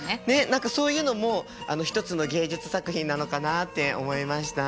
何かそういうのも一つの芸術作品なのかなって思いました。